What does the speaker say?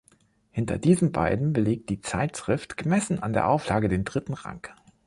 Hinter diesen beiden belegt die Zeitschrift, gemessen an der Auflage, den dritten Rang.